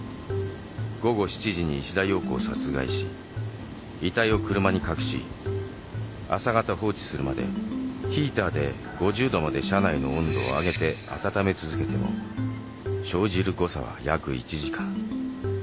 午後７時に石田洋子を殺害し遺体を車に隠し朝方放置するまでヒーターで５０℃まで車内の温度を上げて温め続けても生じる誤差は約１時間。